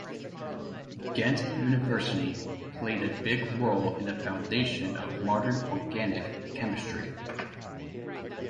Ghent University played a big role in the foundation of modern organic chemistry.